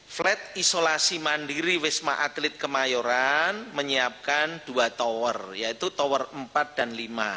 flat isolasi mandiri wisma atlet kemayoran menyiapkan dua tower yaitu tower empat dan lima